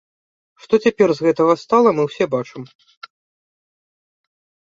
Што цяпер з гэтага стала, мы ўсе бачым.